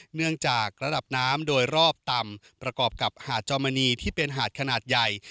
เนื่องจากระดับน้ำโดยรอบต่ำประกอบกับหาดจอมมณีที่เป็นหาดขนาดใหญ่